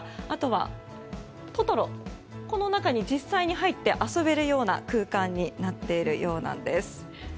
あとは、トトロの中に実際に入って遊べるような空間になっているようなんです。